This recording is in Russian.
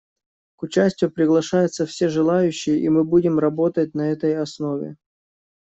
К участию приглашаются все желающие, и мы будем работать на этой основе.